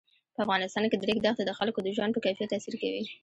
په افغانستان کې د ریګ دښتې د خلکو د ژوند په کیفیت تاثیر کوي.